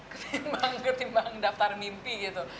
ketimbang daftar mimpi gitu